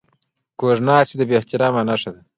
کوږ ناستی د بې احترامي نښه ده